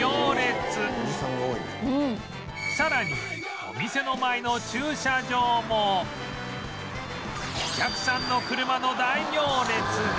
さらにお店の前の駐車場もお客さんの車の大行列が